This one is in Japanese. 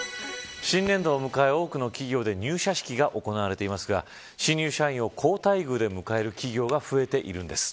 新年度を迎え、多くの企業で入社式が行われていますが新入社員を好待遇で迎える企業が増えているんです。